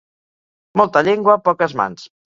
Molta llengua, poques mans.